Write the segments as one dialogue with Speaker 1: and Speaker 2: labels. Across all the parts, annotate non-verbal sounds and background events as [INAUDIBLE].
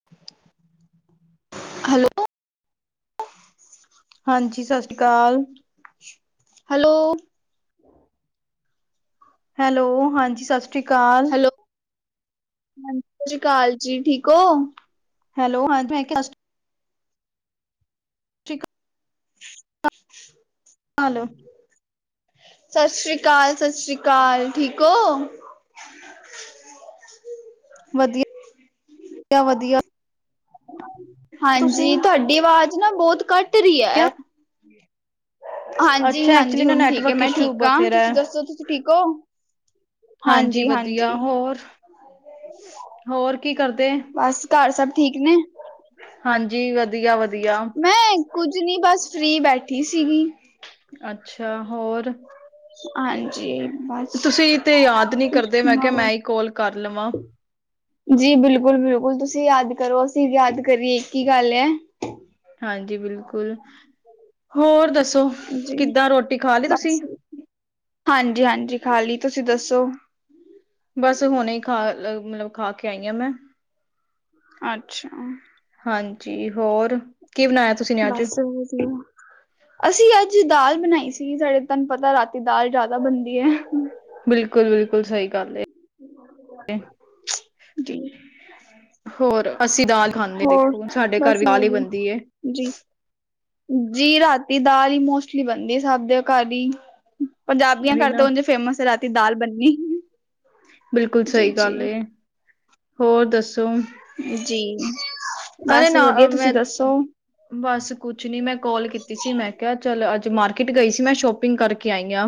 Speaker 1: [UNINTELLIGIBLE]
Speaker 2: Hello.
Speaker 1: ਹਾਂਜੀ ਸਤਿ ਸ਼੍ਰੀ ਅਕਾਲ।
Speaker 2: ਹੈਲੋ।
Speaker 1: ਹਮ। ਹੈਲੋ ਹਾਂਜੀ ਸਤਿ ਸ਼੍ਰੀ ਅਕਾਲ।
Speaker 2: ਹੈਲੋ ਹਾਂ ਸਤਿ ਸ਼੍ਰੀ ਅਕਾਲ ਜੀ ਠੀਕ ਹੋ।
Speaker 1: ਹੈਲੋ ਹਾਂਜੀ ‌। ਠੀਕ।
Speaker 2: [UNINTELLIGIBLE]
Speaker 1: ਹਲੋ।
Speaker 2: ਸਤਿ ਸ੍ਰੀ ਅਕਾਲ ਸਤਿ ਸ਼੍ਰੀ ਅਕਾਲ ਠੀਕ ਹੋ।
Speaker 1: ਵਧੀਆ- ਵਧਆ -ਵਧੀਆ। ਤੁਸੀਂ
Speaker 2: ਹਾਂਜੀ ਤੁਹਾਡੀ ਆਵਾਜ਼ ਨਾ ਬਹੁਤ ਘੱਟ ਰਹੀ
Speaker 1: ਕਿਆ
Speaker 2: ਹੈ। ਹਾਂਜੀ
Speaker 1: ਅੱਛਾ ਐਕਚੁਲੀ
Speaker 2: -ਹਾਂਜੀ
Speaker 1: ਨਾ
Speaker 2: ਹੁਣ ਠੀਕ ਹੈ
Speaker 1: ਨੈਟਵਰਕ
Speaker 2: ਮੈਂ
Speaker 1: ਇਸ਼ੂ
Speaker 2: ਠੀਕ ਹਾਂ
Speaker 1: ਬਥੇਰਾ ਹੈ
Speaker 2: ਤੁਸੀਂ ਦੱਸੋ ਤੁਸੀਂ ਠੀਕ ਹੋ। ਹਾਂਜੀ -ਹਾਂਜੀ।
Speaker 1: ਵਧੀਆ ਹੋਰ [UNINTELLIGIBLE] ਕੀ ਕਰਦੇ
Speaker 2: ਬਸ ਘਰ ਸਭ ਠੀਕ ਨੇ।
Speaker 1: ਹਾਂਜੀ ਵਧੀਆ -ਵਧੀਆ।
Speaker 2: ਮੈਂ ਕੁੱਝ ਨਹੀਂ ਬਸ ਫ੍ਰਰੀ ਬੈਠੀ ਸੀਗੀ।
Speaker 1: ਅੱਛਾ ਹੋਰ?
Speaker 2: ਹਾਂਜੀ ਬਸ।
Speaker 1: ਤੁਸੀਂ ਤੇ ਯਾਦ ਨਹੀਂ
Speaker 2: ਤੁਸੀਂ
Speaker 1: ਕਰਦੇ ਮੈਂ ਕਿਹਾ
Speaker 2: ਸੁਣਾਓ?
Speaker 1: ਮੈਂ ਹੀ ਕੋਾਲ ਕਰ ਲਵਾਂ।
Speaker 2: ਜੀ ਬਿਲਕੁਲ- ਬਿਲਕੁਲ ਤੁਸੀਂ ਯਾਦ ਕਰੋ ਅਸੀਂ ਯਾਦ ਕਰੀਏ ਇੱਕ ਹੀ ਗੱਲ ਹੈ।
Speaker 1: ਹਾਂਜੀ ਬਿਲਕੁਲ ਹੋਰ ਦੱਸੋ
Speaker 2: ਜੀ
Speaker 1: ਕਿੱਦਾਂ ਰੋਟੀ ਖਾ ਲਈ ਤੁਸੀਂ?
Speaker 2: ਹਾਂਜੀ -ਹਾਂਜੀ ਖਾਲੀ ਤੁਸੀਂ ਦੱਸੋ।
Speaker 1: ਬਸ ਹੁਣੇ ਹੀ ਖਾ ਮਤਲਬ ਖਾ ਕੇ ਆਈ ਹਾਂ ਮੈਂ।
Speaker 2: ਅੱਛਾ।
Speaker 1: ਹਾਂਜੀ ਹੋਰ ਕੀ ਬਣਾਇ?
Speaker 2: ਬਸ ਅਸੀਂ ਅੱਜ ਦਾਲ ਬਣਾਈ ਸੀ ਸਾਡੇ ਤੁਹਾਨੂੰ ਪਤਾ ਰਾਤੀ ਦਾਲ ਜਿਆਦਾ ਬਣਦੀ ਹੈ
Speaker 1: ਬਿਲਕੁਲ ਬਿਲਕੁਲ ਸਹੀ ਗੱਲ
Speaker 2: ਜੀ
Speaker 1: ਹੋਰ ਅਸੀਂ ਦਾਲ ਖਾਂਦੇ
Speaker 2: ਹੋਰ
Speaker 1: ਦੇਖੋ ਸਾਡੇ ਘਰ
Speaker 2: ਬਸ
Speaker 1: ਵੀ
Speaker 2: ਹੀ
Speaker 1: ਦਾਲ ਬਣਦੀ ਏ
Speaker 2: ਵਧੀਆ ਜੀ ਜੀ ਰਾਤੀ ਦਾਲ ਹੀ ਮੋਸਟਲੀ ਬਣਦੀ ਸਭ ਦੇ ਘਰ ਹੀ ਪੰਜਾਬੀਆਂ
Speaker 1: ਉਹੀ
Speaker 2: ਘਰ
Speaker 1: ਨਾ
Speaker 2: ਤਾਂ ਉੇ ਫੇਮਸ ਹੈ ਰਾਤੀ ਦਾਲ ਬੰਨੀ
Speaker 1: ਬਿਲਕੁਲ ਸਹੀ ਗੱਲ ਹੋਰ ਦੱਸੋ
Speaker 2: ਜੀ
Speaker 1: ਅਰੇ
Speaker 2: ਬਸ
Speaker 1: ਨਾ
Speaker 2: ਵਧੀਆ
Speaker 1: ਮੈਂ
Speaker 2: ਤੁਸੀਂ ਦੱਸੋ
Speaker 1: ਬਸ ਕੁਛ ਨੀ ਮੈਂ ਕਾਲ ਕੀਤੀ ਸੀ ਮੈਂ ਕਿਹਾ ਚਲ ਅੱਜ ਮਾਰਕੀਟ ਗਈ ਸੀ ਮੈਂ ਸ਼ੋਪਿੰਗ ਕਰਕੇ ਆਈ ਹਾਂ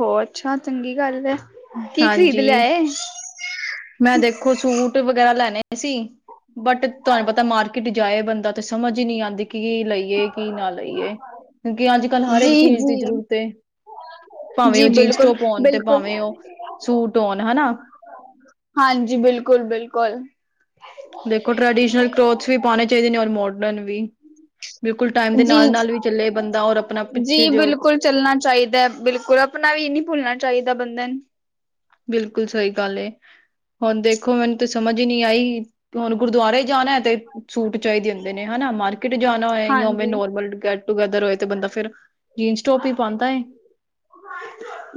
Speaker 2: ਹੋ ਅੱਛਾ ਚੰਗੀ ਗੱਲ ਹੈ ਕੀ ਖ਼ਰੀਦ ਲਿਆ
Speaker 1: ਹਾਂਜੀ ਮੈਂ ਦੇਖੋ ਸੂਟ ਵਗੈਰਾ ਲੈਣੇ ਸੀ ਬਟ ਤੁਹਾਨੂੰ ਪਤਾ ਮਾਰਕੀਟ ਜਾਏ ਬੰਦਾ ਤੇ ਸਮਝ ਹੀ ਨਹੀਂ ਆਉਂਦੀ ਕਿ ਲਈ ਏ ਕੀ ਨਾ ਲਈਏ ਕਿਉਂਕਿ ਅੱਜ ਕੱਲ ਹਰ ਇੱਕ ਚੀਜ਼ ਦੀ
Speaker 2: ਜੀ-ਜੀ,
Speaker 1: ਜ਼ਰੂਰਤ ਹੈ ਭਾਵੇਂ
Speaker 2: ਜੀ
Speaker 1: ਉਹ ਜੀਨਸ ਟੋਪ ਉਣ ਤੇ
Speaker 2: ਬਿਲਕੁਲ-ਬਿਲਕੁਲ
Speaker 1: ਭਾਵੇਂ ਉਹ ਸੂਟ ਉਣ ਹਨਾ
Speaker 2: ਹਾਂਜੀ ਬਿਲਕੁਲ ਬਿਲਕੁਲ
Speaker 1: ਦੇਖੋ ਟਰੈਡੀਸ਼ਨਲ ਕਲੋਥਸ ਵੀ ਪਾਉਣੇ ਚਾਹੀਦੇ ਨੇ ਔਰ ਮੋਡਰਨ ਵੀ ਬਿਲਕੁਲ ਟਾਈਮ ਦੇ
Speaker 2: ਜੀ
Speaker 1: ਨਾਲ ਨਾਲ ਵੀ ਚੱਲੇ ਬੰਦਾ ਔਰ ਆਪਣਾ ਪਿੱਛੇ
Speaker 2: ਜੀ
Speaker 1: ਜੋ
Speaker 2: ਬਿਲਕੁਲ ਚੱਲਣਾ ਚਾਹੀਦਾ ਬਿਲਕੁਲ ਆਪਣਾ ਵੀ ਨਹੀਂ ਭੁੱਲਣਾ ਚਾਹੀਦਾ ਬੰਦੇ ਨੂੰ
Speaker 1: ਬਿਲਕੁਲ ਸਹੀ ਗੱਲ ਏ ਹੁਣ ਦੇਖੋ ਮੈਨੂੰ ਤਾਂ ਸਮਝ ਹੀ ਨਹੀਂ ਆਈ ਹੁਣ ਗੁਰਦੁਆਰੇ ਜਾਣਾ ਹੈ ਤੇ ਸੂਟ ਚਾਹੀਦੇ ਹੁੰਦੇ ਨੇ ਹਨਾ ਮਾਰਕੀਟ ਜਾਣਾ ਹੋ ਜਾਂ ਉਵੇਂ
Speaker 2: ਹਾਂਜੀ
Speaker 1: ਨੋਰਮਲ ਟੂਗੈਦਰ ਹੋਏ ਤਾਂ ਬੰਦਾ ਫਿਰ ਜੀਨਸ ਟੋਪ ਹੀ ਪਾਉਂਦਾ ਏ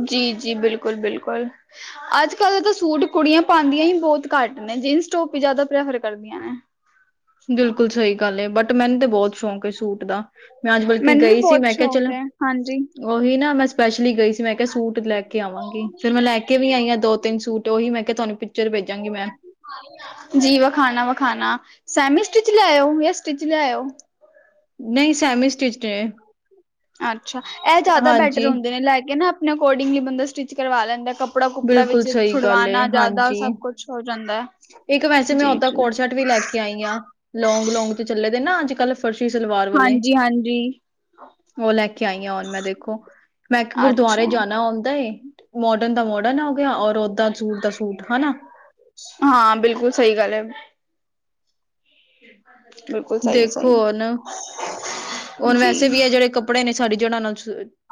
Speaker 2: ਜੀ ਜੀ ਬਿਲਕੁਲ ਬਿਲਕੁਲ ਅੱਜ ਕੱਲ ਤਾਂ ਸੂਟ ਕੁੜੀਆਂ ਪਾਉਂਦੀਆਂ ਹੀ ਬਹੁਤ ਘੱਟ ਨੇ ਜੀਨਸ ਟੋਪ ਹੀ ਜ਼ਿਆਦਾ ਪ੍ਰੈਫਰ ਕਰਦੀਆਂ ਨੇ
Speaker 1: ਬਿਲਕੁਲ ਸਹੀ ਗੱਲ ਬਟ ਮੈਨੂੰ ਤਾਂ ਬਹੁਤ ਸ਼ੌਕ ਏ ਸੂਟ ਦਾ ਮੈਂ ਅੱਜ ਬਲਕਿ
Speaker 2: ਮੈਨੂੰ ਵੀ
Speaker 1: ਗਈ ਸੀ
Speaker 2: ਬਹੁਤ
Speaker 1: ਮੈਂ ਕਿਹਾ
Speaker 2: ਸ਼ੌਕ
Speaker 1: ਚਲੋ
Speaker 2: ਹੈ ਹਾਂਜੀ
Speaker 1: ਉਹੀ ਨਾ ਮੈਂ ਸਪੈਸ਼ਲੀ ਗਈ ਸੀ ਮੈਂ ਕਿਹਾ ਸੂਟ ਲੈ ਕੇ ਆਵਾਂਗੀ ਫਿਰ ਮੈਂ ਲੈ ਕੇ ਵੀ ਆਈ ਆ ਦੋ ਤਿੰਨ ਸੂਟ ਉਹੀ ਮੈਂ ਕਿਹਾ ਤੁਹਾਨੂੰ ਪਿਚਰ ਭੇਜਾਂਗੀ ਮੈਂ
Speaker 2: ਜੀ ਵਖਾਣਾ ਵਖਾਣਾ ਸੈਮੀ ਸਟਿਚ ਲਿਆਇਓ ਜਾਂ ਸਟਿਚ ਲੈਇਓ
Speaker 1: ਨਹੀਂ ਸੈਮੀ ਸਟਿਚ ਨੇ
Speaker 2: ਅੱਛਾ ਇਹ ਜ਼ਿਆਦਾ ਬੈਟਰ
Speaker 1: ਹਾਂਜੀ
Speaker 2: ਹੁੰਦੇ ਨੇ ਲੈ ਕੇ ਨਾ ਆਪਣੇ ਅਕੋਰਡਿੰਗਲੀ ਬੰਦਾ ਸਟਿਚ ਕਰਵਾ ਲੈਂਦਾ ਕੱਪੜਾ ਕੁਪੜਾ
Speaker 1: ਬਿਲਕੁਲ
Speaker 2: ਵਿੱਚ
Speaker 1: ਸਹੀ ਗੱਲ ਏ
Speaker 2: ਛੁਡਵਾਉਣਾ ਜ਼ਿਆਦਾ
Speaker 1: ਹਾਂਜੀ
Speaker 2: ਸਭ ਕੁਛ ਹੋ ਜਾਂਦਾ ਹੈ
Speaker 1: ਇੱਕ ਵੈਸੇ ਮੈਂ
Speaker 2: ਜੀ,
Speaker 1: ਓਦਾਂ
Speaker 2: ਜੀ।
Speaker 1: ਕੋਟ ਸ਼ਟ ਵੀ ਲੈ ਕੇ ਆਈ ਹਾਂ ਲੌਂਗ ਲੌਂਗ ਚ ਚੱਲੇ ਦੇ ਨਾ ਅੱਜ ਕੱਲ ਪਰਸ਼ੀ ਸਲਵਾਰ ਵਾਲੇ
Speaker 2: ਹਾਂਜੀ-ਹਾਂਜੀ,
Speaker 1: ਉਹ ਲੈ ਕੇ ਆਈ ਆ ਹੁਣ ਮੈਂ ਦੇਖੋ ਮੈਂ ਇੱਕ
Speaker 2: ਅੱਛਾ।
Speaker 1: ਗੁਰਦੁਆਰੇ ਜਾਣਾ ਆਉਂਦਾ ਏ ਮੋਡਰਨ ਦਾ ਮੋਡਰਨ ਆ ਹੋ ਗਿਆ ਔਰ ਓਦਾਂ ਸੂਟ ਦਾ ਸੂਟ ਹਨਾ
Speaker 2: ਹਾਂ ਬਿਲਕੁਲ ਸਹੀ ਗੱਲ ਹੈ। ਬਿਲਕੁਲ ਸਹੀ ਸਹੀ
Speaker 1: ਉਹਨੂੰ ਵੈਸੇ ਵੀ ਹੈ ਜਿਹੜੇ ਕੱਪੜੇ ਨੇ ਸਾਰੀ ਜੜ੍ਹਾਂ ਨਾਲ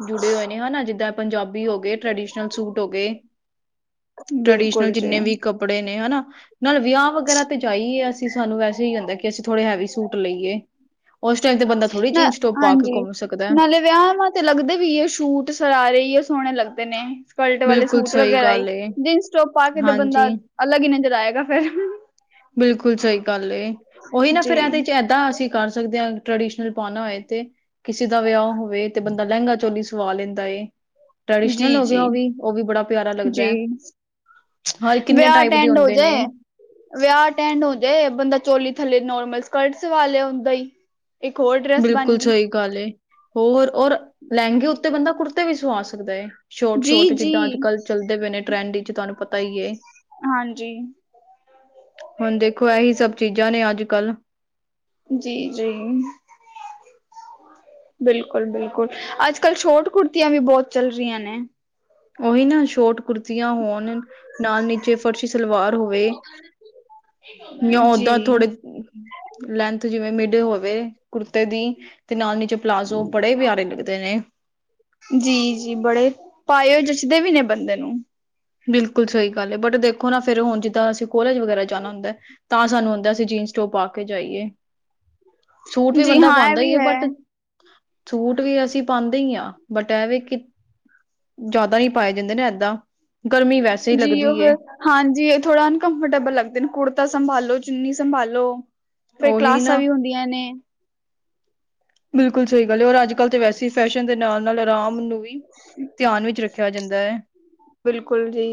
Speaker 1: ਜੁੜੇ ਹੋਏ ਨੇ ਹਨਾ ਜਿੱਦਾਂ ਪੰਜਾਬੀ ਹੋ ਗਏ ਟ੍ਰਡੀਸ਼ਨਲ ਸੂਟ ਹੋ ਗਏ ਟਰਡੀਸ਼ਨਲ
Speaker 2: ਬਿਲਕੁਲ ਜੀ।
Speaker 1: ਜਿੰਨੇ ਵੀ ਕੱਪੜੇ ਨੇ ਹਨਾ ਨਾਲ ਵਿਆਹ ਵਗੈਰਾ ਤੇ ਜਾਈਏ ਅਸੀਂ ਸਾਨੂੰ ਵੈਸੇ ਹੀ ਹੁੰਦਾ ਕਿ ਅਸੀਂ ਥੋੜੇ ਹੈਵੀ ਸੂਟ ਲਈਏ ਉਸ ਟਾਈਮ ਤੇ ਬੰਦਾ ਥੋੜੀ
Speaker 2: ਨਾ
Speaker 1: ਜੀਨਸ ਟੋਪ ਪਾ ਕੇ
Speaker 2: ਹਾਂਜੀ
Speaker 1: ਘੁੰਮ ਸਕਦਾ ਹੈ
Speaker 2: ਨਾਲੇ ਵਿਆਹ ਤੇ ਲੱਗਦੇ ਵੀ ਉਹ ਸਛੂਟ ਸਰਾਰੇ ਹੀ ਉਹ ਸੋਹਣੇ ਲੱਗਦੇ ਨੇ ਸਕਰਟ ਵਾਲੇ
Speaker 1: ਬਿਲਕੁਲ
Speaker 2: ਸੂਟ
Speaker 1: ਸਹੀ
Speaker 2: ਵਗੈਰਾ ਹੀ
Speaker 1: ਗੱਲ ਏ
Speaker 2: ਜਿੰਨਸ ਟੋਪ ਪਾ ਕੇ ਤਾਂ ਬੰਦਾ
Speaker 1: ਹਾਂਜੀ
Speaker 2: ਅਲੱਗ ਹੀ ਨਜ਼ਰ ਆਏਗਾ ਫਿਰ
Speaker 1: ਬਿਲਕੁਲ ਸਹੀ ਗੱਲ ਏ ਉਹੀ ਨਾ ਫਿਰ
Speaker 2: ਜੀ,
Speaker 1: ਇਹਦੇ ਚ ਇਹਦਾਂ ਅਸੀਂ ਕਰ ਸਕਦੇ ਹਾਂ ਟ੍ਰਡੀਸ਼ਨਲ ਪਾਉਣਾ ਹੋਏ ਤੇ ਕਿਸੇ ਦਾ ਵਿਆਹ ਹੋਵੇ ਤੇ ਬੰਦਾ ਲਹਿੰਗਾ ਚੋਲੀ ਸਵਾ ਲੈਂਦਾ ਏ ਟਰਡੀਸ਼ਨਲ ਹੋ ਗਿਆ
Speaker 2: ਜੀ-ਜੀ, ਜੀ।
Speaker 1: ਉਹ ਵੀ ਉਹ ਵੀ ਬੜਾ ਪਿਆਰਾ ਲੱਗਦਾ
Speaker 2: ਜੀ
Speaker 1: ਹੈ ਹਰ ਕਿੰਨੇ
Speaker 2: ਵਿਆਹ
Speaker 1: ਟਾਈਪ ਦੇ
Speaker 2: ਟੈਂਡ ਹੋ
Speaker 1: ਹੁੰਦੇ ਨੇ
Speaker 2: ਜਾਏ ਵਿਆਹ ਅ ਟੈਂਡ ਹੋ ਜੇ ਬੰਦਾ ਚੋਲੀ ਥੱਲੇ ਨੋਰਮਲ ਸਕਰਟ ਸਵਾ ਲਿਆ ਹੁੰਦਾ
Speaker 1: ਬਿਲਕੁਲ ਸਹੀ ਗੱਲ ਏ ਹੋਰ ਔਰ ਲਹਿੰਗੇ ਉੱਤੇ ਬੰਦਾ ਕੁੜਤੇ ਵੀ ਸੁਵਾ ਸਕਦਾ ਏ। ਸ਼ੋਰਟ ਸ਼ੋਟ ਜਿੱਦਾ ਅੱਜ
Speaker 2: ਜੀ-ਜੀ।
Speaker 1: ਕੱਲ ਚੱਲਦੇ ਪਏ ਨੇ ਟਰੈਂਡ ਵਿੱਚ ਤੁਹਾਨੂੰ ਪਤਾ ਹੀ ਏ।
Speaker 2: ਹਾਂਜੀ।
Speaker 1: ਹੁਣ ਦੇਖੋ ਇਹੀ ਸਭ ਚੀਜ਼ਾਂ ਨੇ ਅੱਜ ਕੱਲ
Speaker 2: ਜੀ ਜੀ। ਬਿਲਕੁਲ ਬਿਲਕੁਲ ਅੱਜ ਕੱਲ ਸ਼ੋਟ ਕੁੜਤੀਆਂ ਵੀ ਬਹੁਤ ਚੱਲ ਰਹੀਆਂ ਨੇ।
Speaker 1: ਉਹੀ ਨਾ ਸ਼ੋਟ ਕੁੁਰਤੀਆਂ ਹੋਣ ਨਾਲ ਨੀਚੇ ਫਰਸ਼ੀ ਸਲਵਾਰ ਹੋਵੇ ਜਾਂ ਓਦਾਂ
Speaker 2: ਜੀ
Speaker 1: ਥੋੜੇ ਲੈਂਥ ਜਿਵੇਂ ਮਿਡ ਹੋਵੇ ਕੁਰਤੇ ਦੀ ਤੇ ਨਾਲ ਹੀ ਪਲਾਜ਼ੋ ਬੜੇ ਪਿਆਰੇ ਲੱਗਦੇ ਨੇ।
Speaker 2: ਜੀ ਜੀ ਬੜੇ ਪਾਏ ਹੋਏ ਜਚਦੇ ਵੀ ਨੇ ਬੰਦੇ ਨੂੰ।
Speaker 1: ਬਿਲਕੁਲ ਸਹੀ ਗੱਲ ਹੈ ਬਟ ਦੇਖੋ ਨਾ ਫਿਰ ਹੁਣ ਜਿੱਦਾ ਅਸੀ ਕੋਲੇਜ ਵਗੈਰਾ ਜਾਣਾ ਹੁੰਦਾ ਏ ਤਾਂ ਸਾਨੂੰ ਹੁੰਦਾ ਅਸੀਂ ਜੀਨਸ-ਟੋਪ ਪਾ ਕੇ ਜਾਈਏ। ਸੂਟ ਵੀ
Speaker 2: ਜੀ
Speaker 1: ਬੰਦਾ
Speaker 2: ਹਾਂ ਇਹ
Speaker 1: ਪਾਉਂਦਾ ਹੀ
Speaker 2: ਵੀ
Speaker 1: ਹੈ, ਬਟ ਸੂਟ ਵੀ ਅਸੀਂ ਪਾਉਂਦੇ ਹੀ ਹਾਂ, ਬਟ ਏਹ ਵੀ ਕਿ ਜ਼ਿਆਦਾ ਹੀਂ ਪਾਏ ਜਾਂਦੇ ਨੇ ਏਦਾਂ ਗਰਮੀ ਵੈਸੇ ਹੀ
Speaker 2: ਜੀ
Speaker 1: ਲੱਗਦੀ
Speaker 2: ਉਹ ਫੇਰ
Speaker 1: ਏ
Speaker 2: ਹਾਂਜੀ ਥੋੜਾ ਅਨਕੰਫਰਟੇਬਲ ਲੱਗਦੇ ਨੇ ਕੁੜਤਾ ਸੰਭਾਲੋ, ਚੁੰਨੀ ਸੰਭਾਲੋ। ਫਿਰ
Speaker 1: ਓਹੀ
Speaker 2: ਕਲਾਸਾਂ
Speaker 1: ਨਾ
Speaker 2: ਵੀ ਹੁੰਦੀਆਂ ਨੇ
Speaker 1: ਬਿਲਕੁਲ ਸਹੀ ਗੱਲ ਏ ਔਰ ਅੱਜ ਕੱਲ ਤੇ ਵੈਸੇ ਹੀ ਫੈਸ਼ਨ ਦੇ ਨਾਲ ਨਾਲ ਆਰਾਮ ਨੂੰ ਵੀ ਧਿਆਨ ਵਿੱਚ ਰੱਖਿਆ ਜਾਂਦਾ ਹੈ।
Speaker 2: ਬਿਲਕੁਲ ਜੀ।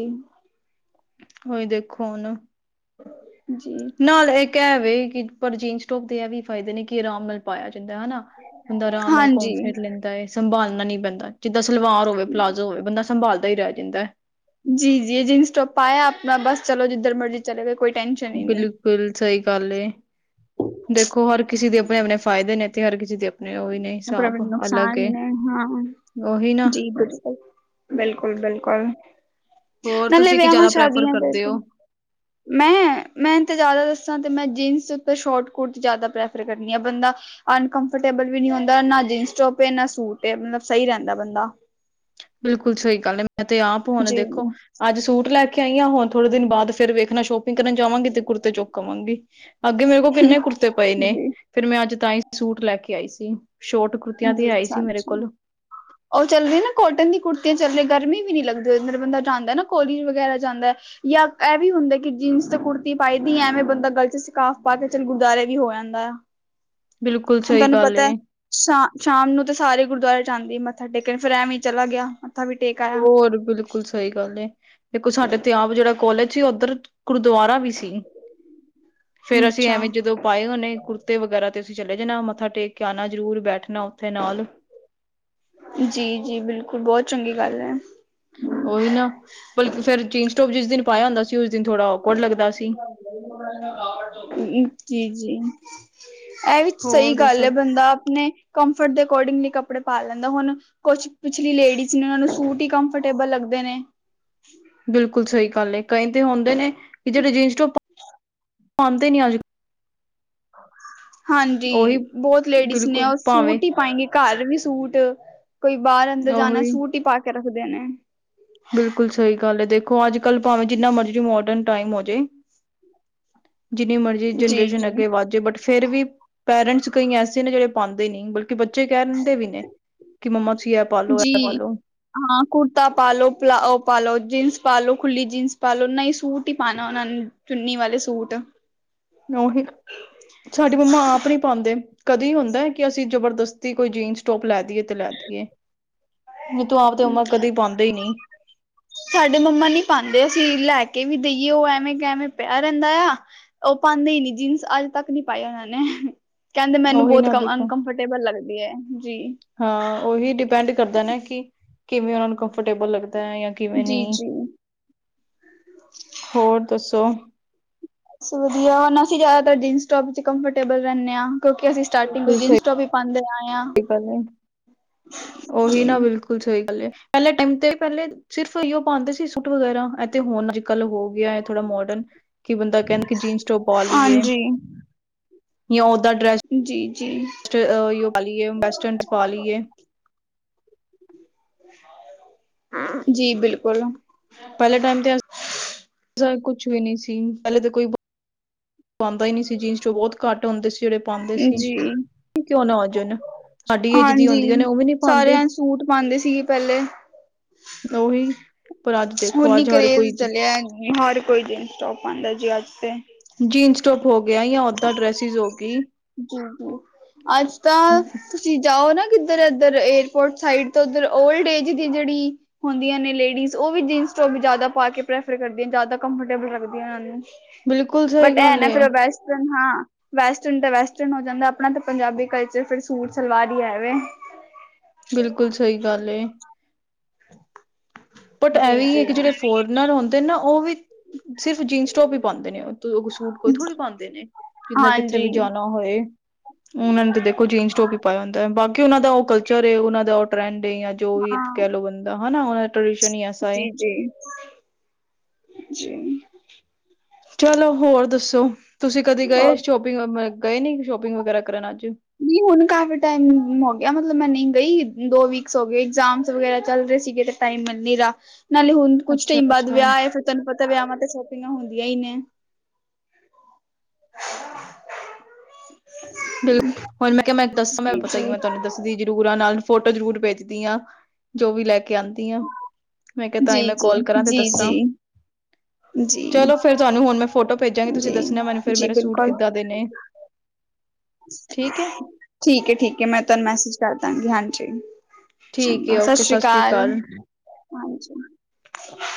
Speaker 1: ਉਹੀ ਦੇਖੋ ਹੁਨ
Speaker 2: ਜੀ।
Speaker 1: ਨਾਲ ਇਕ ਏ ਵੇ ਕਿ ਪਰ ਜੀਨਸ ਟੋਪ ਦੇ ਇਹ ਵੀ ਫਾਇਦੇ ਨੇ ਕਿ ਇਹ ਆਰਾਮ ਨਾਲ ਪਾਇਆ ਜਾਂਦਾ ਹੈ। ਹੇਣਾ। ਬੰਦਾ ਆਰਾਮ ਨਾਲ
Speaker 2: ਹਾਂਜੀ
Speaker 1: ਘੁੰਮ-ਫਿਰ ਲੈਂਦਾ ਏ ਸੰਭਾਲਣਾ ਨੀ ਪੈਂਦਾ। ਜਿੱਦਾਂ ਸਲਵਾਰ ਹੋਵੇ, ਪਲਾਜ਼ੋ ਹੋਵੇ, ਬੰਦਾ ਸੰਭਾਲਦਾ ਹੀ ਰਹ ਜਾਂਦਾ ਏ।
Speaker 2: ਜੀ ਜੀ ਜੀਨਸ- ਟੋਪ ਪਾਯਾ ਅਪਣਾ ਬਸ ਚਲੋ ਜਿੱਧਰ ਮਰਜ਼ੀ ਚਲੇ ਗਏ ਕੋਈ
Speaker 1: ਬਿਲਕੁਲ ਸਹੀ ਗੱਲ ਏ। ਦੇਖੋ ਹਰ ਕਿਸੇ ਦੇ ਅਪਣੇ- ਅਪਣੇ ਫਾਇਦੇ ਨੇ ਤੇ ਹਰ ਕਿਸੇ ਦੇ ਆਪਣੇ ਉਹ ਵੀ ਨੇ ਹਿਸਾਬ ਅਲੱਗ
Speaker 2: ਨੁਕਸਾਨ
Speaker 1: ਏ।
Speaker 2: ਨੇ ਹਾਂ,
Speaker 1: ਉਹੀ ਨਾ
Speaker 2: ਜੀ ਬਿਲਕੁਲ। ਬਿਲਕੁਲ ਬਿਲਕੁਲ।
Speaker 1: ਹੋਰ
Speaker 2: ਨਾਲੇ
Speaker 1: ਤੁਸੀਂ ਕੀ
Speaker 2: ਵਿਹਾਵਾਂ,
Speaker 1: ਜ਼ਿਆਦਾ ਪ੍ਰੈਫਰ
Speaker 2: ਸ਼ਾਦੀਆਂ ਤੇ
Speaker 1: ਕਰਦੇ ਹੋ?
Speaker 2: ਮੈਂ- ਮੈਂ ਤਾਂ ਜ਼ਿਆਦਾ ਦੱਸਾਂ ਤੇ ਮੈਂ ਜੀਨਸ ਉੱਤੇ ਸ਼ੋ੍ਟ ਕੋਟ ਜ਼ਿਆਦਾ ਪ੍ਰੈਫਰ ਕਰਨੀ ਆ। ਬੰਦਾ ਅਨਕਫਰਟੇਬਲ ਵੀ ਨਹੀਂ ਹੁੰਦਾ। ਨਾ ਜੀਨਸ ਟੋਪ ਨਾ ਸੂਟ ਮਤਲਬ ਸਹੀ ਰਹਿੰਦਾ ਬੰਦਾ।
Speaker 1: ਬਿਲਕੁਲ ਸਹੀ ਗੱਲ ਏ। ਮੈਂ ਤੇ ਆਪ ਹੁਣ
Speaker 2: ਜੀ,
Speaker 1: ਦੇਖੋ
Speaker 2: ਜੀ,
Speaker 1: ਅੱਜ ਸੂਟ ਲੈ ਕੇ ਆਈ ਹਾਂ, ਹੁਣ ਥੋੜੇ ਦਿਨ ਬਾਦ ਫਿਰ ਵੇਖਣਾ ਸ਼ੋਪ ਪਿੰਗ ਕਰਨ ਜਾਵਾਂਗੀ ਤੇ ਕੁੜਤੇ ਚੁੱਕ ਆਵਾਂਗੀ, ਅੱਗੇ ਮੇਰੇ ਕੋਲ ਕਿੰਨੇ ਕੁੜਤੇ ਪਏ ਨੇ,
Speaker 2: ਜੀ,
Speaker 1: ਫੇਰ ਮੈਂ ਅੱਜ ਤਾਂ ਹੀ ਸੂਟ ਲੈ ਕੇ ਆਈ ਸੀ। ਸ਼ੋਟ ਕੁੁਰਤੀਆਂ ਤੇ
Speaker 2: ਜੀ,
Speaker 1: ਹੈ ਈ ਸੀ
Speaker 2: ਅੱਛਾ,
Speaker 1: ਮੇਰੇ
Speaker 2: ਅੱਛਾ।
Speaker 1: ਕੋਲ [INAUDIBLE]
Speaker 2: ਉਹ ਚੱਲ ਰੀ ਨਾ ਕੋਟਨ ਦੀ ਕੁੜਤੀਆਂ ਚੱਲ ਰਹੀਆਂ, ਗਰਮੀ ਵੀ ਨਹੀਂ ਲੱਗਦੀ ਔਦੇ ਅੰਦਰ, ਬੰਦਾ ਜਾਂਦਾ ਨਾ ਕੋਲੇਜ ਵਗੈਰਾ ਜਾਂਦਾ ਜਾਂ ਇਹ ਵੀ ਹੁੰਦੇ ਕਿ ਜੀਨਸ ਤੇ ਕੁੜਤੀ ਪਾਈ ਦੀ, ਐਵੇਂ ਬੰਦਾ ਗਲ ਚ ਸਕਾਫ਼ ਪਾ ਕੇ ਚੱਲ ਗੁਰਦੁਆਾਰੇ ਵੀ ਹੋ ਆਂਦਾ ਆ।
Speaker 1: [INAUDIBLE]
Speaker 2: ਹੁਣ
Speaker 1: ਸਹੀ
Speaker 2: ਤੁਹਾਨੂੰ
Speaker 1: ਗੱਲ
Speaker 2: ਪਤਾ ਹੈ
Speaker 1: ਏ।
Speaker 2: ਸ਼ਾਮ ਸ਼ਾਮ ਨੂੰ ਤੇ ਸਾਰੇ ਗੁਰਦੁਆਰੇ ਜਾਂਦੇ ਆ ਮੱਥਾ ਟੇਕਣ, ਫਿਰ ਐਵੇਂ ਚਲਾ ਗਿਆ, ਮੱਥਾ ਵੀ ਟੇਕ ਆਇਆ।
Speaker 1: ਹੋਰ, ਬਿਲਕੁਲ ਸਹੀ ਗੱਲ ਏ। ਦੇਖੋ ਸਾਡੇ ਤੇ ਆਪ ਜਿਹੜਾ ਕੋਲੇਜ ਏ, ਉੱਧਰ ਗੁਰਦੁਆਰਾ ਵੀ ਸੀ। ਫੇਰ ਅਸੀਂ
Speaker 2: ਅੱਛਾ
Speaker 1: ਐਵੇਂ ਜਦੋਂ ਪਾਏ ਹੋਨੇ ਕੁੜਤੇ ਤੇ ਵਗੈਰਾ ਤੇ ਅਸੀ ਚਲੇ ਜਾਣਾ ਮੱਥਾ ਟੇਕ ਕੇ ਆਨਾ ਜ਼ਰੂਰ, ਬੈਠਣਾ ਉੱਥੇ ਨਾਲ
Speaker 2: ਜੀ ਜੀ ਬਿਲਕੁਲ, ਬਹੁਤ ਚੰਗੀ ਗੱਲ ਏ।
Speaker 1: ਓਹੀ ਨਾ ਫੇਰ ਜੀਂਸ- ਟੋਪ ਜਿਸ ਦਿਨ ਪਾਇਆ ਹੁੰਦਾ ਸੀ, ਉਸ ਦਿਨ ਥੋੜਾ ਔਕਵਡ ਲੱਗਦਾ ਸੀ।
Speaker 2: ਜੀ ਜੀ। ਇਹ ਵੀ ਸਹੀ
Speaker 1: ਹੋਰ
Speaker 2: ਗੱਲ
Speaker 1: ਦੱਸੋ?
Speaker 2: ਹੈ ਬੰਦਾ ਆਪਣੇ ਕੰਫਰਟ ਦੇ ਅਕੋਰਡਿੰਗਲੀ ਕੱਪੜੇ ਪਾ ਲੈਂਦਾ ਹੁਣ ਕੁਛ ਪਿਛਲੀ ਲੇਡੀਜ਼ ਨੇ ਉਹਨਾਂ ਨੂੰ ਸੂਟ ਹੀ ਕੰਫਰਟੇਬਲ ਲੱਗਦੇ ਨੇ।
Speaker 1: ਬਿਲਕੁਲ ਸਹੀ ਗੱਲ ਏ ਕਈ ਤੇ ਹੁੰਦੇ ਨੇ ਕਿ ਜਿਹੜੇ ਜੀਨਸ ਟੋਪ
Speaker 2: ਹ।
Speaker 1: ਆਉਂਦੇ ਨੀ ਅੱਜਕਲ।
Speaker 2: ਹਾਂਜੀ
Speaker 1: ਉਹੀ
Speaker 2: ਬਹੁਤ ਲੇਡੀਜ਼ ਨੇ
Speaker 1: ਬਿਲਕੁਲ
Speaker 2: ਉਹ
Speaker 1: ਭਾਵੇਂ
Speaker 2: ਸੂਟ ਹੀ ਪਾਏਗੀ। ਘਰ ਵੀ ਸੂਟ ਕੋਈ ਬਾਹਰ ਅੰਦਰ ਜਾਣਾ
Speaker 1: ਉਹੀ
Speaker 2: ਸੂਟ ਹੀ ਪਾ ਕੇ ਰੱਖਦੇ ਨੇ।
Speaker 1: ਬਿਲਕੁਲ ਸਹੀ ਗੱਲ ਹੈ ਦੇਖੋ ਅੱਜ ਕੱਲ ਭਾਵੇਂ ਜਿੰਨਾ ਮਰਜੀ ਮੋਡਰਨ ਟਾਈਮ ਹੋ ਜਾਏ ਜਿੰਨੀ ਮਰਜ਼ੀ
Speaker 2: ਜੀ
Speaker 1: ਜਨਰੇਸ਼ਨ
Speaker 2: ਜੀ
Speaker 1: ਅੱਗੇ ਵੱਧ ਜਾਵੇ ਬਟ ਫੇਰ ਵੀ ਪੇਰੈਂਟਸ ਕਈ ਐਸੇ ਨੇ ਜਿਹੜੇ ਪਾਉਂਦੇ ਨਹੀਂ ਬਕ ਕਿ ਬੱਚੇ ਕਹਿ ਦਿੰਦੇ ਵੀ ਨੇ ਕਿ ਮੰਮਾ ਚ ਐ ਪਾਲੋ ਐ
Speaker 2: ਜੀ
Speaker 1: ਪਾਲੋ।
Speaker 2: ਹਾਂ ਕੁੜਤਾ ਪਾ ਲ ਲੋ ਪਲਾਓ ਪਾ ਲ ਲੋ ਜੀਨਸ ਪਾ ਲ ਲੋ ਖੁੱਲੀ ਜੀਨਸ ਪਾ ਲ ਲੋ ਨਾ ਹੀ ਸੂਟ ਹੀ ਪਾਣਾ ਉਹਨਾਂ ਨੇ। ਚੁੰਨੀ ਵਾਲੇ ਸੂਟ।
Speaker 1: ਉਹੀ ਸਾਡੀ ਮੰਮਾ ਆਪਣੀ ਪਾਉਂਦੇ ਕਦੇ ਹੁੰਦਾ ਕਿ ਅਸੀਂ ਜਬਰਦਸਤੀ ਕੋਈ ਜੀਨਸ ਟੋਪ ਲੈ ਦੀਈਏ ਤੇ ਲੈ ਦੀਈਏ। ਹ ਤੂੰ ਆਪ ਤੇ ਮੰਮਾ ਕਦੇ ਪਾਉਂਦਾ ਹੀ ਨੀ।
Speaker 2: ਸਾਡੇ ਮੰਮਾ ਨੀ ਪਾਂਦੇ ਅਸੀਂ ਲੈ ਕੇ ਵੀ ਦੇਈਏ ਉਹ ਐਵੇਂ ਕਿ ਐਵੇਂ ਪਿਆ ਰਹਿੰਦਾ ਆ। ਉਹ ਪਾਂਦੇ ਹੀ ਨੀ ਜੀਨਸ ਅੱਜ ਤੱਕ ਨਹੀਂ ਪਏ ਉਹਨਾਂ ਨੇ। ਕਹਿੰਦੇ ਮੈਨੂੰ
Speaker 1: ਉਹੀ
Speaker 2: ਬਹੁਤ
Speaker 1: ਨਾ ਦੇਖੋ
Speaker 2: ਅਨਕਫਰਟੇਬਲ ਲੱਗਦੀ ਹੈ ਜੀ।
Speaker 1: ਹਾਂ ਉਹੀ ਡਿਪੈਂਡ ਕਰਦਾ ਨਾ ਕਿ ਕਿਵੇਂ ਉਹਨਾਂ ਨੂੰ ਕੰਫੋਰਟੇਬਲ ਲੱਗਦਾ ਹੈ ਜਾਂ। ਕਿਵੇਂ ਨ
Speaker 2: ਜੀ ਜੀ।
Speaker 1: ਹੋਰ ਦੱਸੋ।
Speaker 2: ਵਧੀਆ ਹੁਣ ਅਸੀਂ ਜ਼ਿਆਦਾਤਰ ਜੀਨਸ ਟੋਪ 'ਚ ਕੰਫਰਟੇਬਲ ਰਹਿੰਦੇ ਹਾਂ ਕਿਉਂਕਿ ਅਸੀਂ ਸਟਾਰਟਿੰਗ ਤੋ
Speaker 1: ਬਿਲਕੁਲ
Speaker 2: ਜੀਨਸ
Speaker 1: ਸਹੀ
Speaker 2: ਟੋਪ ਹੀ ਪਾਂਦੇ ਆਏ ਆ।
Speaker 1: ਗੱਲ ਹੈ ਕੁਛ ਹੋਈ ਗੱਲ ਪਹਿਲੇ ਟਾਈਮ ਤੇ ਪਹਿਲੇ ਸਿਰਫ ਇ ਉਹ ਪਾਉਂਦੇ ਸੀ ਸੂਟ ਵਗੈਰਾ ਇਹ ਤੇ ਹੁਣ ਅੱਜ ਕੱਲ੍ਹ ਹੋ ਗਿਆ ਥੋੜਾ ਮੋਡਰਨ ਕਿ ਬੰਦਾ ਕਹਿੰਦੇ ਕਿ ਜੀਨਸ ਟੋਪ ਪਾ ਲਈਏ
Speaker 2: ਹਾਂਜੀ
Speaker 1: ਜਾਂ ਓਦਾਂ ਡਰੈਸ
Speaker 2: ਜੀ- ਜੀ।
Speaker 1: ਆ ਉਹੀ ਵਾਲੀਏ ਵੈਸਟਰਨ ਪਾ ਲਈਏ
Speaker 2: ਹਾਂ ਜੀ ਬਿਲਕੁਲ।
Speaker 1: ਪਹਿਲੇ ਟਾਈਮ ਤੇ ਕੁਛ ਵੀ ਨਹੀਂ ਸੀ ਪਹਿਲੇ ਤਾਂ ਕੋਈ ਪਾਂਦਾ ਹੀ ਨਹੀਂ ਸੀ ਜੀਨਸ ਟੋਪ ਬਹੁਤ ਘੱਟ ਹੁੰਦੇ ਸੀ ਜਿਹੜੇ ਪਾਉਂਦੇ ਸੀ
Speaker 2: ਜੀ
Speaker 1: ਕੀ ਕਿਉਂ ਨਾ ਜਨ
Speaker 2: ਹਾਂਜੀ ਸਾਰਿਆਂ ਸੂਟ ਪਾਉਂਦੇ ਸੀਗੇ ਪਹਿਲੇ
Speaker 1: ਉਹੀ ਪਰ ਅੱਜ ਦੇਖੋ
Speaker 2: ਹੁਨ
Speaker 1: ਅੱਜ ਹਰ ਕੋਈ
Speaker 2: ਕਰੇਜ਼ ਚਲਿਆ ਹਰ ਕੋਈ ਜੀਨਸ ਸਭ ਪਾਂਦਾ ਜੀ ਅੱਜ ਤੇ
Speaker 1: ਜੀਨਸ ਟੋਪ ਹੋ ਗਿਆ ਜਾਂ ਓਦਾਂ ਡਰੈਸਿਸ ਹੋ ਗਈ।
Speaker 2: ਜੀ- ਜੀ ਅੱਜ ਤਕ ਤੁਸੀਂ ਜਾਓ ਨਾ ਕਿੱਧਰ ਇੱਧਰ ਏਅਰਪੋਰਟ ਸਾਈਡ ਤੋਂ ਉੱਧਰ ਓਲਡ ਏਜ ਦੀ ਜਿਹੜੀ ਹੁੰਦੀਆਂ ਨੇ ਲੇਡੀਜ਼ ਉਹ ਵੀ ਜੀਨਸ ਟੋਪ ਵੀ ਜ਼ਿਆਦਾ ਪਾ ਕੇ ਪ੍ਰੈਫਰ ਕਰਦੀਆਂ ਜ਼ਿਆਦਾ ਕੰਫਰਟੇਬਲ ਲੱਗਦੀਆਂ ਨੂੰ
Speaker 1: ਬਿਲਕੁਲ ਸਹੀ
Speaker 2: ਬਟ ਇਹ
Speaker 1: ਗੱਲ
Speaker 2: ਨਾ
Speaker 1: ਏ
Speaker 2: ਫੇਰ ਬੈਸ ਹਾਂ ਵੈਸਟਰਨ ਤਾਂ ਵੈਸਟਰਨ ਹੋ ਜਾਂਦਾ ਆਪਣਾ ਤਾਂ ਪੰਜਾਬੀ ਕਲਚਰ ਫਿਰ ਸੂਟ ਸਲਵਾਰ ਹੀ ਹੈ ਵੇ।
Speaker 1: ਬਿਲਕੁਲ ਸਹੀ ਗੱਲ ਏ। ਬਟ ਐਵੇ
Speaker 2: ਜੀ-ਜੀ।
Speaker 1: ਕਿ ਜਿਹੜੇ ਫੋਰਨਰ ਹੁੰਦੇ ਨੇ ਨਾ ਉਹ ਵੀ ਸਿਰਫ਼ ਜੀਨਸ ਟੋਪ ਹੀ ਪਾਉਂਦੇ ਨੇ। ਸੂਟ ਕੋਈ ਥੋੜ੍ਹੀ ਪਾਂਦੇ ਨੇ ਜਿੰਨਾ ਕਿੱਥੇ ਵੀ
Speaker 2: ਹਾਂਜੀ
Speaker 1: ਜਾਣਾ ਹੋਏ। ਉਹ ਨੇ ਤਾਂ ਦੇਖੋ ਜੀਨਸ ਟੋਪ ਹੀ ਪਾਇਆ ਹੁੰਦਾ ਹੈ ਬਾਕੀ ਉਹਨਾਂ ਦਾ ਉਹ ਕਲਚਰ ਉਹਨਾਂ ਦਾ ਉਹ ਟਰੈਂਡ ਏ ਜਾਂ ਜੋ ਵੀ ਕਹਿ ਲਓ ਬੰਦਾ ਹਨਾ ਉਹ ਟਡੀਸ਼ਨ ਹੀ ਏ
Speaker 2: ਜੀ- ਜੀ- ਜੀ।
Speaker 1: ਚਲੋ ਹੋਰ ਦੱਸੋ ਤੁਸੀਂ ਕਦੇ ਗਏ
Speaker 2: ਹੋਰ
Speaker 1: ਸ਼ੋਪਿੰਗ ਗਏ ਨੀ ਸ਼ੋਪਿੰਗ ਵਗੈਰਾ ਗਏ ਨਹੀਂ ਕਰਨ ਅੱਜ
Speaker 2: ਨਹੀਂ ਹੁਣ ਕਾਫੀ ਟਾਈਮ ਹੋ ਗਿਆ ਮਤਲਬ ਮੈਂ ਨਹੀਂ ਗਈ ਦੋ ਵੀਕਸ ਹੋ ਗਏ ਐਗਜ਼ਾਮ ਵਗੈਰਾ ਚੱਲ ਰਹੇ ਸੀਗੇ ਤੇ ਟਾਈਮ ਮਿਲਣੀ ਰ ਨਾਲੇ ਹੁਣ ਕੁੱਛ
Speaker 1: ਅੱਛਾ
Speaker 2: ਟਾਈਮ ਬਾਅਦ
Speaker 1: ਅੱਛਾ
Speaker 2: ਵਿਆਹ ਆ ਫਿਰ ਤੁਹਾਨੂੰ ਪਤਾ ਵਿਆਹਾਂ ਤੇ ਸ਼ੋਪਿੰਗਾਂ ਹੁੰਦੀਆਂ ਹੀ ਨੇ।
Speaker 1: ਬਿਲਕੁਲ ਹੂੰ ਮੈਂ ਕਿਹਾ ਮੈਂ ਦੱਸ ਮੈਂ
Speaker 2: ਜੀ
Speaker 1: ਪਤਾ ਕੀ
Speaker 2: ਜੀ
Speaker 1: ਮੈਂ ਤੁਹਾਨੂੰ ਦੱਸ ਦੀਦੀ [UNINTELLIGIBLE] ਨਾਲ ਫੋਟੋ ਜਰੂਰ ਭੇਜਦੀ ਹਾਂ ਜੋ ਵੀ ਲੈਕੇ ਆਂਦੀ। ਮੈਂ ਕਿਹਾ ਤ
Speaker 2: ਜੀ
Speaker 1: ਹੀ ਮੈਂ
Speaker 2: ਜੀ
Speaker 1: ਕਾਲ ਕਰਾਂ ਤੇ
Speaker 2: ਜੀ
Speaker 1: ਦੱਸਾਂ।
Speaker 2: ਜੀ ਜੀ
Speaker 1: ਚਲੋ ਫਿਰ ਤੁਹਾਨੂੰ ਹੁਣ ਮੈਂ ਫੋਟੋ ਭੇਜਾਂਗੀ ਤੁਸੀਂ ਦਸਨਾ
Speaker 2: ਜੀ
Speaker 1: ਫਿਰ
Speaker 2: ਜੀ
Speaker 1: ਮੇਰੇ ਸੂਟ
Speaker 2: ਬਿਲਕੁਲ
Speaker 1: ਕਿੱਦਾਂ ਦੇ ਨੇ। ਠੀਕ ਏ।
Speaker 2: ਠੀਕ- ਠੀਕ ਮੈਂ ਤੁਹਾਨੂੰ ਮੈਸੇਜ ਕਰਦਾਂਗੀ ਹਾਂਜੀ
Speaker 1: ਠੀਕ
Speaker 2: ਚੰਗਾ
Speaker 1: ਹੈ
Speaker 2: ਸਤਿ
Speaker 1: ਓਕੇ
Speaker 2: ਸ੍ਰੀ
Speaker 1: ਸ਼੍ਰੀ
Speaker 2: ਅਕਾਲ। ਹਾਂਜੀ